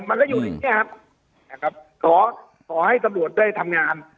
มันก็อยู่ในนี้นะครับขอให้สบวนได้ทำงาน